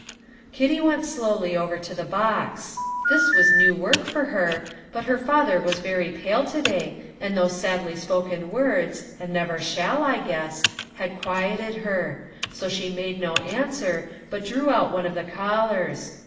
Kitty went slowly over to the box. This was new work for her, but her father was very pale to day, and those sadly spoken words, "and never shall, I guess," had quieted her; so she made no answer, but drew out one of the collars.